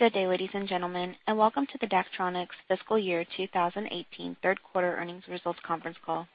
Good day, ladies and gentlemen, welcome to the Daktronics Fiscal Year 2018 third quarter earnings results conference call.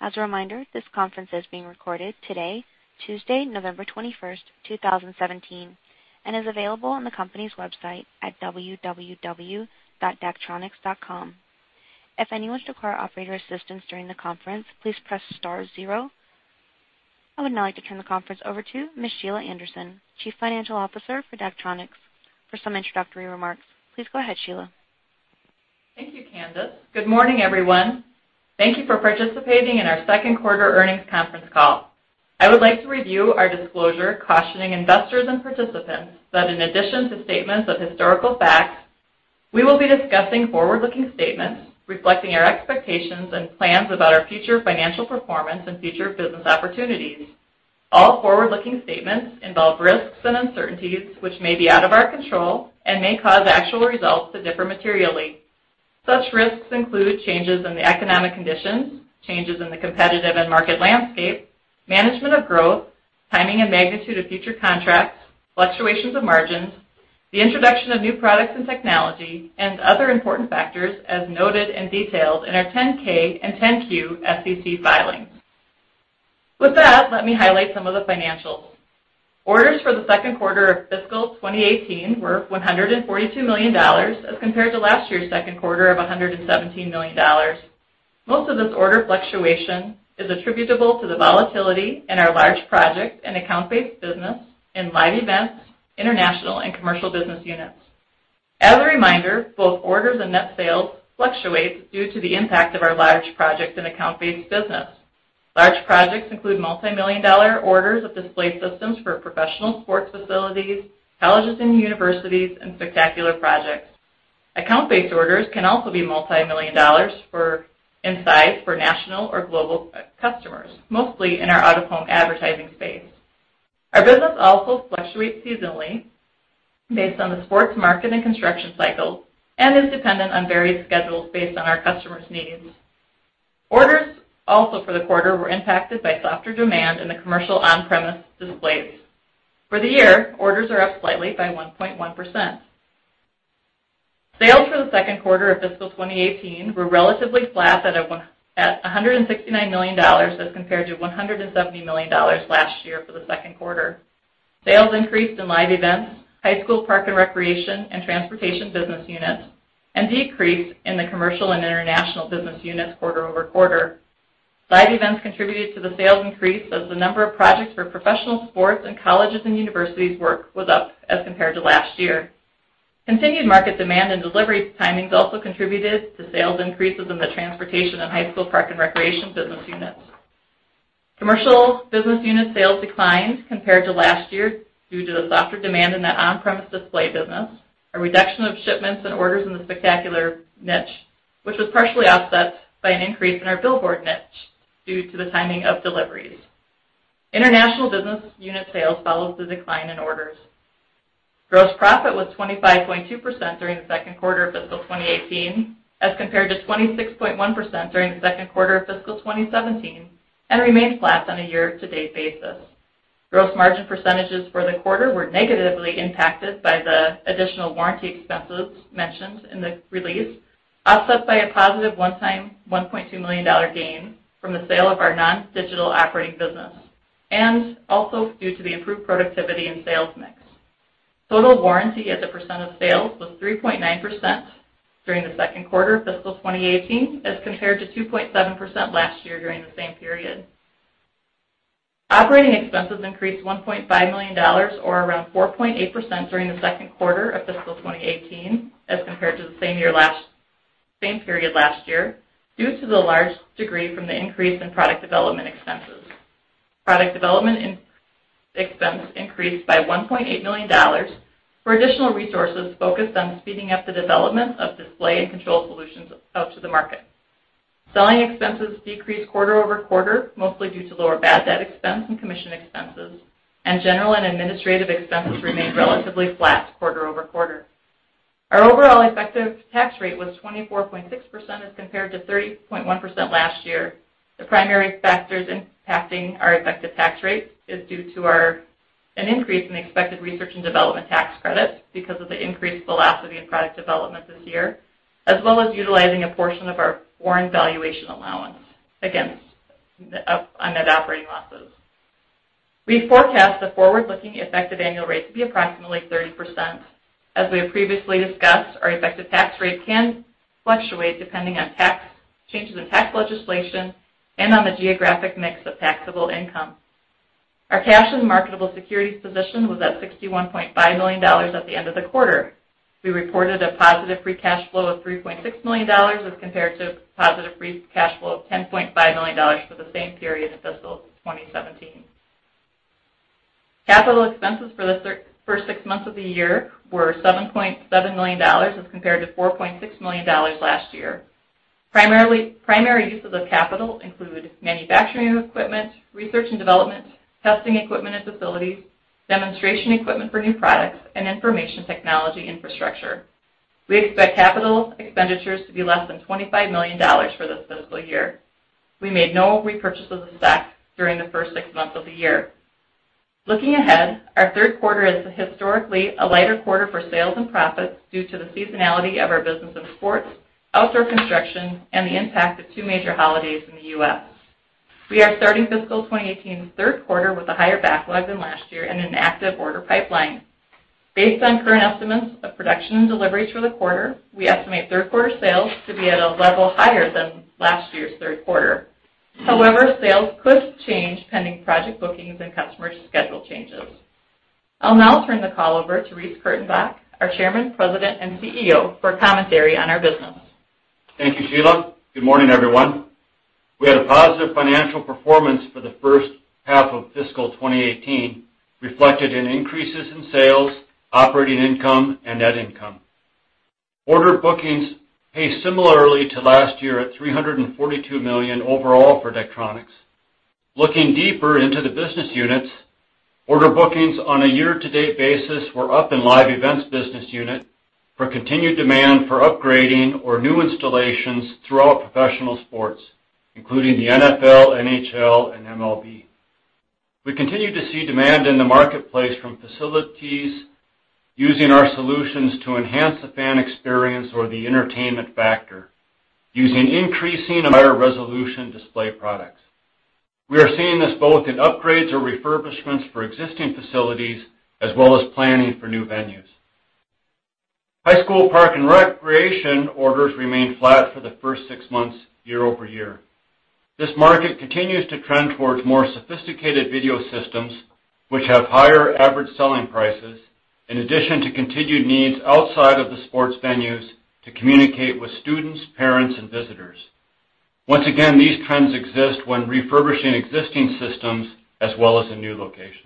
As a reminder, this conference is being recorded today, Tuesday, November 21st, 2017, and is available on the company's website at www.daktronics.com. If anyone requires operator assistance during the conference, please press star zero. I would now like to turn the conference over to Ms. Sheila Anderson, Chief Financial Officer for Daktronics, for some introductory remarks. Please go ahead, Sheila. Thank you, Candace. Good morning, everyone. Thank you for participating in our second quarter earnings conference call. I would like to review our disclosure cautioning investors and participants that in addition to statements of historical facts, we will be discussing forward-looking statements reflecting our expectations and plans about our future financial performance and future business opportunities. All forward-looking statements involve risks and uncertainties which may be out of our control and may cause actual results to differ materially. Such risks include changes in the economic conditions, changes in the competitive and market landscape, management of growth, timing and magnitude of future contracts, fluctuations of margins, the introduction of new products and technology, and other important factors as noted and detailed in our 10-K and 10-Q SEC filings. With that, let me highlight some of the financials. Orders for the second quarter of fiscal 2018 were $142 million as compared to last year's second quarter of $117 million. Most of this order fluctuation is attributable to the volatility in our large project and account-based business in Live Events, International, and Commercial business units. As a reminder, both orders and net sales fluctuate due to the impact of our large project and account-based business. Large projects include multimillion-dollar orders of display systems for professional sports facilities, colleges and universities, and spectacular projects. Account-based orders can also be multimillion dollars in size for national or global customers, mostly in our out-of-home advertising space. Our business also fluctuates seasonally based on the sports market and construction cycles and is dependent on various schedules based on our customers' needs. Orders also for the quarter were impacted by softer demand in the Commercial on-premise displays. For the year, orders are up slightly by 1.1%. Sales for the second quarter of fiscal 2018 were relatively flat at $169 million as compared to $170 million last year for the second quarter. Sales increased in Live Events, High School Park and Recreation, and Transportation business units, and decreased in the Commercial and International business units quarter-over-quarter. Live Events contributed to the sales increase as the number of projects for professional sports and colleges and universities work was up as compared to last year. Continued market demand and delivery timings also contributed to sales increases in the Transportation and High School Park and Recreation business units. Commercial business unit sales declined compared to last year due to the softer demand in the on-premise display business, a reduction of shipments and orders in the spectacular niche, which was partially offset by an increase in our billboard niche due to the timing of deliveries. International business unit sales followed the decline in orders. Gross profit was 25.2% during the second quarter of fiscal 2018 as compared to 26.1% during the second quarter of fiscal 2017 and remained flat on a year-to-date basis. Gross margin percentages for the quarter were negatively impacted by the additional warranty expenses mentioned in the release, offset by a positive one-time $1.2 million gain from the sale of our non-digital operating business, and also due to the improved productivity and sales mix. Total warranty as a % of sales was 3.9% during the second quarter of fiscal 2018 as compared to 2.7% last year during the same period. Operating expenses increased $1.5 million or around 4.8% during the second quarter of fiscal 2018 as compared to the same period last year, due to the large degree from the increase in product development expenses. Product development expense increased by $1.8 million with additional resources focused on speeding up the development of display and control solutions out to the market. Selling expenses decreased quarter-over-quarter, mostly due to lower bad debt expense and commission expenses. General and administrative expenses remained relatively flat quarter-over-quarter. Our overall effective tax rate was 24.6% as compared to 30.1% last year. The primary factors impacting our effective tax rate is due to an increase in expected research and development tax credits because of the increased velocity of product development this year, as well as utilizing a portion of our foreign valuation allowance against unmet operating losses. We forecast the forward-looking effective annual rate to be approximately 30%. As we have previously discussed, our effective tax rate can fluctuate depending on changes in tax legislation and on the geographic mix of taxable income. Our cash and marketable securities position was at $61.5 million at the end of the quarter. We reported a positive free cash flow of $3.6 million as compared to positive free cash flow of $10.5 million for the same period in fiscal 2017. Capital expenses for the first six months of the year were $7.7 million as compared to $4.6 million last year. Primary uses of capital include manufacturing equipment, research and development, testing equipment and facilities, demonstration equipment for new products, and information technology infrastructure. We expect capital expenditures to be less than $25 million for this fiscal year. We made no repurchases of stock during the first six months of the year. Looking ahead, our third quarter is historically a lighter quarter for sales and profits due to the seasonality of our business in sports, outdoor construction, and the impact of two major holidays in the U.S. We are starting fiscal 2018's third quarter with a higher backlog than last year and an active order pipeline. Based on current estimates of production and deliveries for the quarter, we estimate third quarter sales to be at a level higher than last year's third quarter. Sales could change pending project bookings and customer schedule changes. I'll now turn the call over to Reece Kurtenbach, our Chairman, President, and CEO, for commentary on our business. Thank you, Sheila. Good morning, everyone. We had a positive financial performance for the first half of fiscal 2018, reflected in increases in sales, operating income, and net income. Order bookings paced similarly to last year at $342 million overall for Daktronics. Looking deeper into the business units, order bookings on a year-to-date basis were up in Live Events business unit for continued demand for upgrading or new installations throughout professional sports, including the NFL, NHL, and MLB. We continue to see demand in the marketplace from facilities using our solutions to enhance the fan experience or the entertainment factor, using increasing and higher resolution display products. We are seeing this both in upgrades or refurbishments for existing facilities, as well as planning for new venues. High School Park and Recreation orders remained flat for the first six months year-over-year. This market continues to trend towards more sophisticated video systems, which have higher average selling prices, in addition to continued needs outside of the sports venues to communicate with students, parents, and visitors. Once again, these trends exist when refurbishing existing systems, as well as in new locations.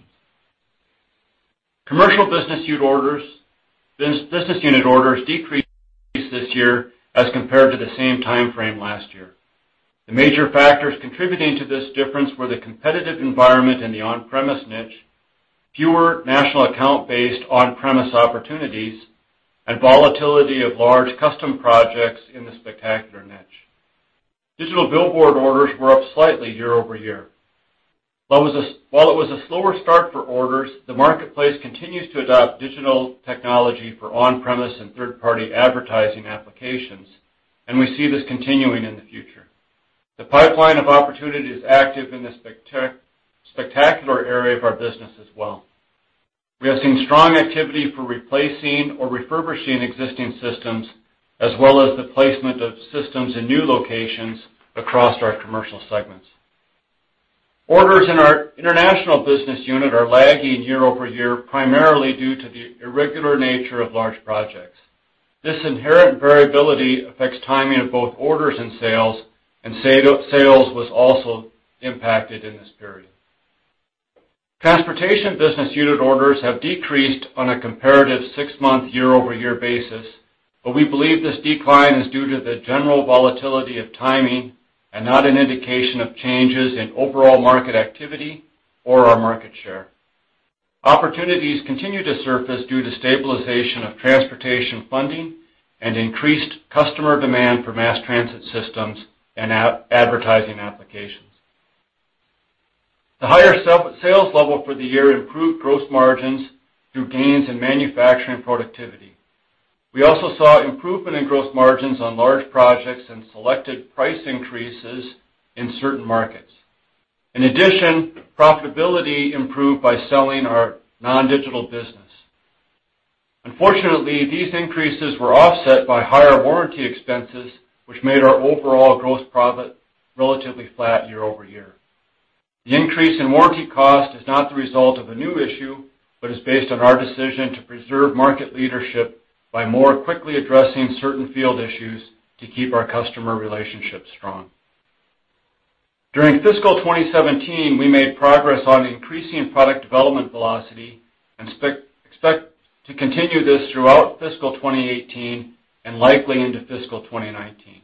Commercial business unit orders decreased this year as compared to the same time frame last year. The major factors contributing to this difference were the competitive environment in the on-premise niche, fewer national account-based on-premise opportunities, and volatility of large custom projects in the spectacular niche. Digital billboard orders were up slightly year-over-year. While it was a slower start for orders, the marketplace continues to adopt digital technology for on-premise and third-party advertising applications, and we see this continuing in the future. The pipeline of opportunities is active in the spectacular area of our business as well. We are seeing strong activity for replacing or refurbishing existing systems, as well as the placement of systems in new locations across our commercial segments. Orders in our International business unit are lagging year-over-year, primarily due to the irregular nature of large projects. This inherent variability affects timing of both orders and sales, and sales was also impacted in this period. Transportation business unit orders have decreased on a comparative six-month year-over-year basis, we believe this decline is due to the general volatility of timing and not an indication of changes in overall market activity or our market share. Opportunities continue to surface due to stabilization of transportation funding and increased customer demand for mass transit systems and advertising applications. The higher sales level for the year improved gross margins through gains in manufacturing productivity. We also saw improvement in gross margins on large projects and selected price increases in certain markets. In addition, profitability improved by selling our non-digital business. Unfortunately, these increases were offset by higher warranty expenses, which made our overall gross profit relatively flat year-over-year. The increase in warranty cost is not the result of a new issue, but is based on our decision to preserve market leadership by more quickly addressing certain field issues to keep our customer relationships strong. During fiscal 2017, we made progress on increasing product development velocity and expect to continue this throughout fiscal 2018 and likely into fiscal 2019.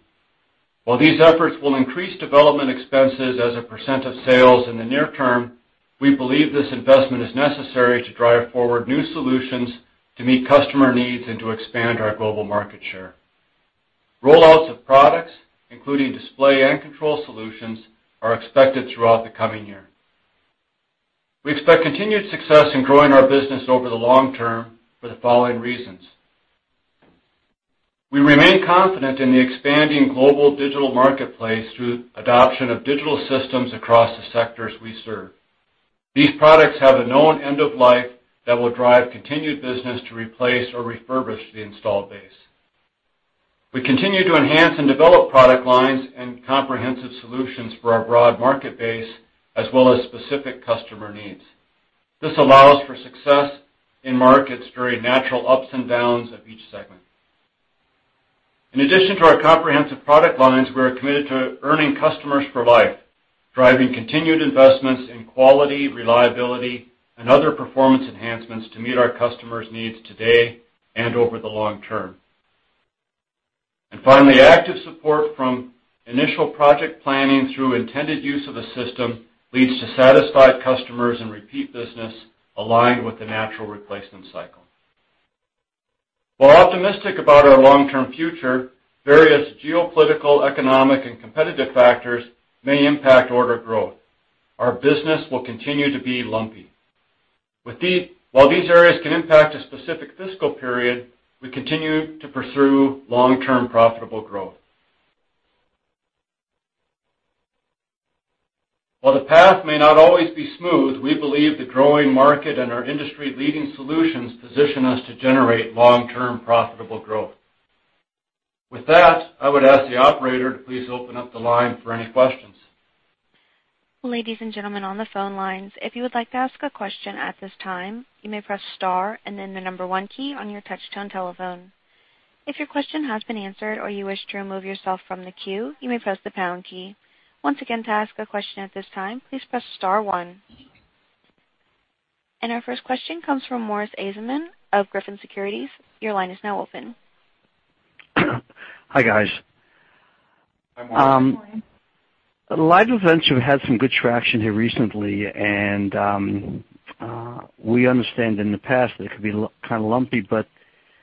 While these efforts will increase development expenses as a % of sales in the near term, we believe this investment is necessary to drive forward new solutions to meet customer needs and to expand our global market share. Rollouts of products, including display and control solutions, are expected throughout the coming year. We expect continued success in growing our business over the long term for the following reasons. We remain confident in the expanding global digital marketplace through adoption of digital systems across the sectors we serve. These products have a known end of life that will drive continued business to replace or refurbish the installed base. We continue to enhance and develop product lines and comprehensive solutions for our broad market base, as well as specific customer needs. This allows for success in markets during natural ups and downs of each segment. In addition to our comprehensive product lines, we are committed to earning customers for life, driving continued investments in quality, reliability, and other performance enhancements to meet our customers' needs today and over the long term. Finally, active support from initial project planning through intended use of the system leads to satisfied customers and repeat business aligned with the natural replacement cycle. While optimistic about our long-term future, various geopolitical, economic, and competitive factors may impact order growth. Our business will continue to be lumpy. While these areas can impact a specific fiscal period, we continue to pursue long-term profitable growth. While the path may not always be smooth, we believe the growing market and our industry-leading solutions position us to generate long-term profitable growth. With that, I would ask the operator to please open up the line for any questions. Ladies and gentlemen on the phone lines, if you would like to ask a question at this time, you may press star and then the number one key on your touch-tone telephone. If your question has been answered or you wish to remove yourself from the queue, you may press the pound key. Once again, to ask a question at this time, please press star one. Our first question comes from Morris Asiman of Griffin Securities. Your line is now open. Hi, guys. Hi, Morris. Hi, Morris. Live Events have had some good traction here recently, and we understand in the past that it could be kind of lumpy, but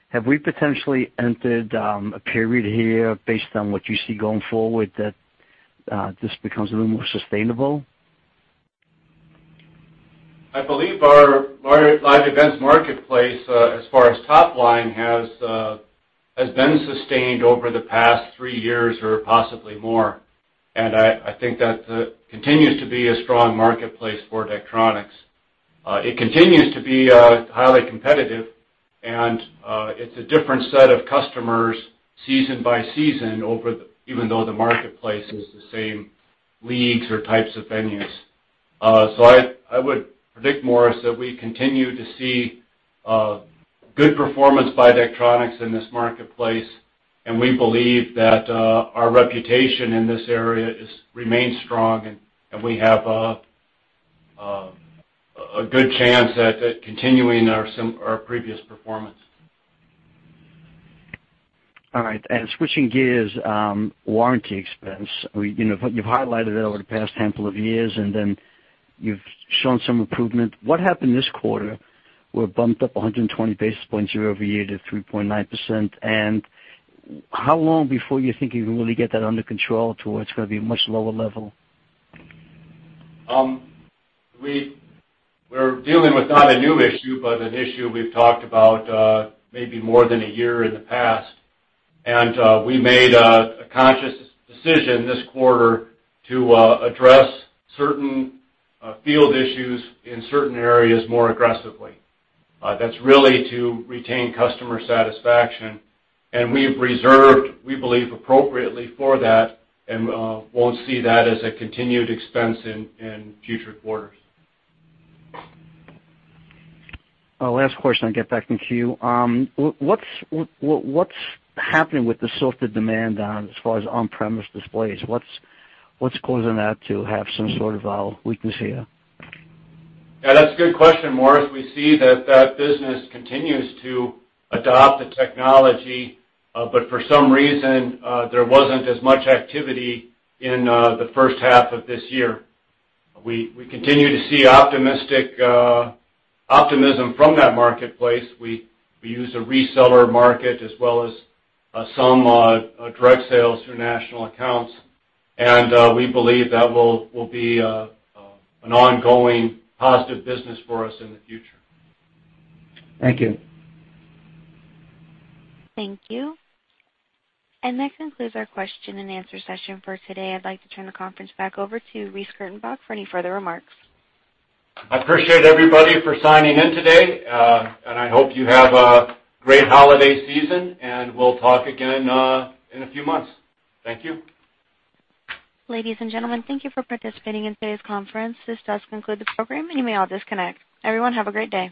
have we potentially entered a period here based on what you see going forward, that this becomes a little more sustainable? I believe our Live Events marketplace, as far as top line, has been sustained over the past three years or possibly more, and I think that continues to be a strong marketplace for Daktronics. It continues to be highly competitive and it's a different set of customers season by season even though the marketplace is the same leagues or types of venues. I would predict, Morris, that we continue to see good performance by Daktronics in this marketplace, and we believe that our reputation in this area remains strong, and we have a good chance at continuing our previous performance. All right, switching gears, warranty expense. You've highlighted it over the past handful of years, and then you've shown some improvement. What happened this quarter were bumped up 120 basis points year-over-year to 3.9%, and how long before you think you can really get that under control to where it's going to be a much lower level? We're dealing with not a new issue, but an issue we've talked about maybe more than a year in the past. We made a conscious decision this quarter to address certain field issues in certain areas more aggressively. That's really to retain customer satisfaction. We've reserved, we believe, appropriately for that and won't see that as a continued expense in future quarters. Last question, I'll get back in queue. What's happening with the softer demand as far as on-premise displays? What's causing that to have some sort of weakness here? Yeah, that's a good question, Morris. We see that that business continues to adopt the technology, but for some reason, there wasn't as much activity in the first half of this year. We continue to see optimism from that marketplace. We use a reseller market as well as some direct sales through national accounts, and we believe that will be an ongoing positive business for us in the future. Thank you. Thank you. This concludes our question and answer session for today. I'd like to turn the conference back over to Reece Kurtenbach for any further remarks. I appreciate everybody for signing in today, and I hope you have a great holiday season, and we'll talk again in a few months. Thank you. Ladies and gentlemen, thank you for participating in today's conference. This does conclude the program and you may all disconnect. Everyone have a great day.